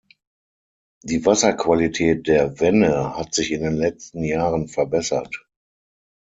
Die Wasserqualität der Wenne hat sich in den letzten Jahren verbessert.